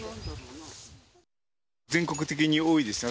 全国的に多いですよね。